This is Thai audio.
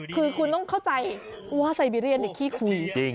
คือคุณต้องเข้าใจว่าไซเบีเรียนขี้คู